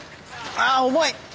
あ重い！